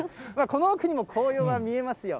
この奥にも紅葉が見えますよ。